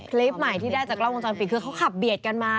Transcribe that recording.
คลิปใหม่ที่ได้จากกล้องวงจรปิดคือเขาขับเบียดกันมา